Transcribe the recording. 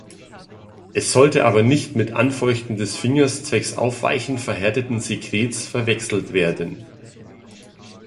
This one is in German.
Es sollte aber nicht mit Anfeuchten des Fingers zwecks Aufweichen verhärteten Sekrets verwechselt werden.